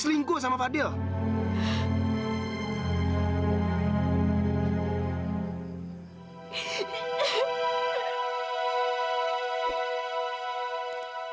soalnya aku bisa ke here aja